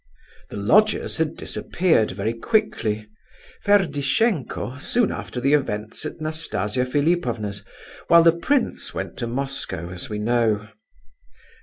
The lodgers had disappeared very quickly—Ferdishenko soon after the events at Nastasia Philipovna's, while the prince went to Moscow, as we know.